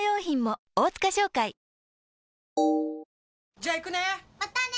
じゃあ行くね！